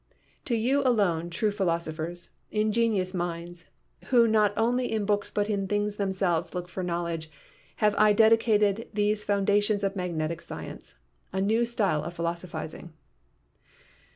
To you alone, true philosophers, ingenuous minds, who not only in books but in things themselves look for knowledge, have I dedicated these foundations of magnetic science — a new style of philosophizing."